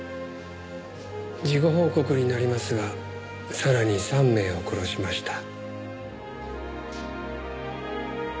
事後報告になりますがさらに３名を殺しました。